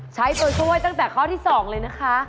ใช้ตัวช่วยตั้งแต่ข้อที่๒เลยนะคะ